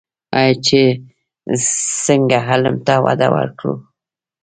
آیا چې څنګه علم ته وده ورکړو؟